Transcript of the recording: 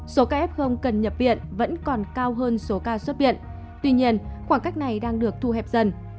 số ca f không cần nhập viện vẫn còn cao hơn số ca xuất viện tuy nhiên khoảng cách này đang được thu hẹp dần